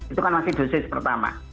itu kan masih dosis pertama